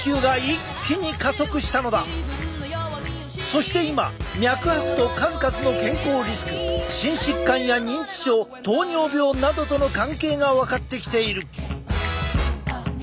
そして今脈拍と数々の健康リスク心疾患や認知症糖尿病などとの関係が分かってきている。